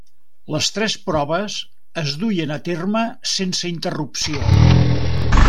Les tres proves es duien a terme sense interrupció.